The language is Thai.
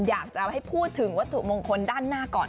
อยากจะให้พูดถึงวัตถุมงคลด้านหน้าก่อน